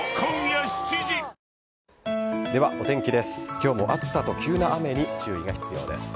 今日も暑さと急な雨に注意が必要です。